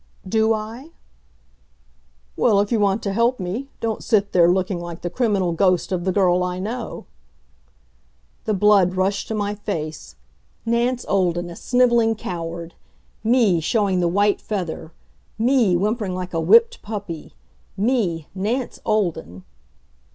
"Do I?" "Well, if you want to help me, don't sit there looking like the criminal ghost of the girl I know." The blood rushed to my face. Nance Olden, a sniveling coward! Me, showing the white feather me, whimpering like a whipped puppy me Nance Olden!